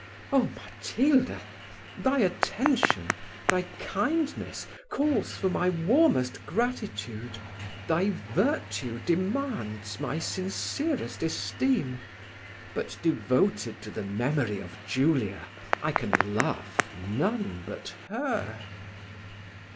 Oh, Matilda! thy attention, thy kindness, calls for my warmest gratitude thy virtue demands my sincerest esteem; but, devoted to the memory of Julia, I can love none but her."